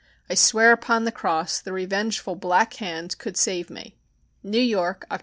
I swear upon the cross the revengeful Black Hand could save me. New York, Oct.